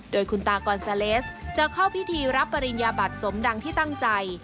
โดยคุณตากอนซาเลสจะเข้าพิธีรับปริญญาบัตรสมดังที่ตั้งใจ